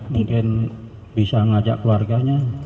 mungkin bisa ngajak keluarganya